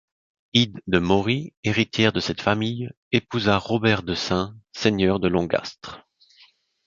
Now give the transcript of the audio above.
Ide De Mory, héritière de cette famille, épousa Robert De Sains, seigneur De Longastre.